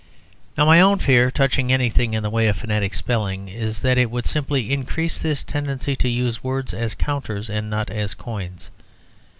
Now my own fear touching anything in the way of phonetic spelling is that it would simply increase this tendency to use words as counters and not as coins.